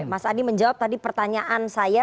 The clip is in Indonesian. mas adi menjawab tadi pertanyaan saya